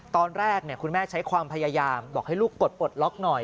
ตอนแรกคุณแม่ใช้ความพยายามบอกให้ลูกปลดปลดล็อกหน่อย